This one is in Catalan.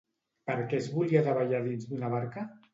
Per què es volia davallar dins d'una barca?